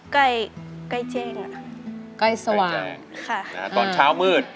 กระแซะเข้ามาสิ